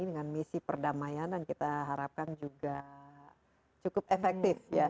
dengan misi perdamaian dan kita harapkan juga cukup efektif ya